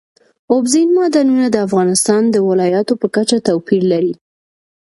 اوبزین معدنونه د افغانستان د ولایاتو په کچه توپیر لري.